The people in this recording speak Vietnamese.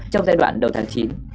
trong giai đoạn đầu tháng chín